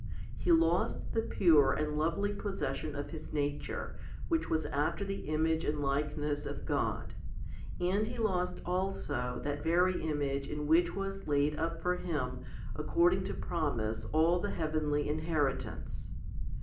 He lost the pure and lovely possession of his nature, which was after the image and likeness of God ; and he lost also that very image in which was laid up for him according to promise all the heavenly inherit ance.